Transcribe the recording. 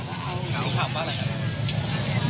เขาถามว่าอะไรนะครับ